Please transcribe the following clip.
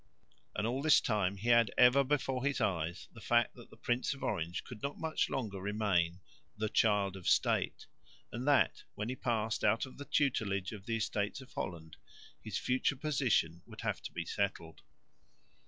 And all this time he had ever before his eyes the fact that the Prince of Orange could not much longer remain "the Child of State"; and that, when he passed out of the tutelage of the Estates of Holland, his future position would have to be settled.